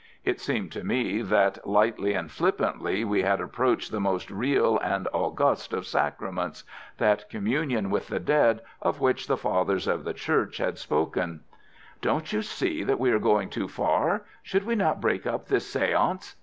It seemed to me that lightly and flippantly we had approached the most real and august of sacraments, that communion with the dead of which the fathers of the Church had spoken. "Don't you think we are going too far? Should we not break up this séance?"